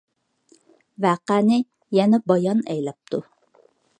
ۋەقەنى يەنە بايان ئەيلەپتۇ.